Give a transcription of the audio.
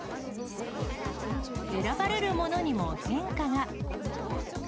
選ばれるものにも変化が。